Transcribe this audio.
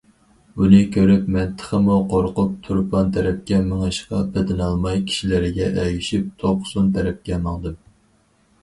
بۇنى كۆرۈپ مەن تېخىمۇ قورقۇپ تۇرپان تەرەپكە مېڭىشقا پېتىنالماي، كىشىلەرگە ئەگىشىپ توقسۇن تەرەپكە ماڭدىم.